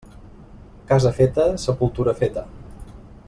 Casa feta, sepultura feta.